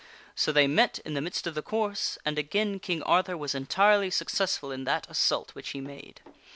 So they met in the midst of the course, and again King Arthur was entirely suc cessful in that assault which he made.